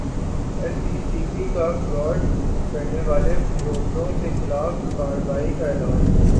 S E C P کا fraud کرنیوالے بروکروں کیخلاف کارروائی کا اعلان